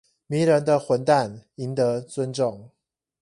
迷人的混蛋贏得尊重